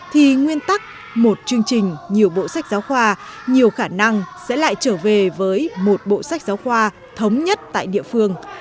thì nguyên tắc một chương trình nhiều bộ sách giáo khoa nhiều khả năng sẽ lại trở về với một bộ sách giáo khoa thống nhất tại địa phương